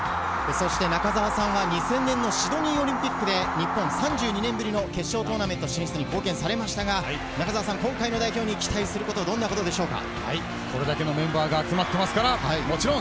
中澤さんは２０００年のシドニーオリンピックで日本３２年ぶりの決勝トーナメント進出に貢献されましたが、今回の代表に期待することはどんなことでしょうか。